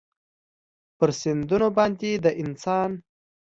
پر سیندونو باندې د انسان